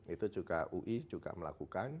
itu juga ui juga melakukan